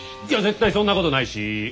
いや絶対そんなことないし。